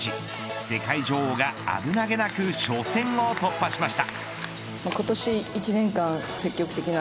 世界女王が危なげなく初戦を突破しました。